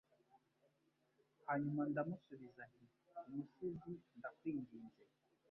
Hanyuma ndamusubiza nti Umusizi ndakwinginze